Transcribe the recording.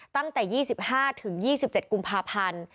ตั้งแต่๒๕๒๗กุมภาพันธ์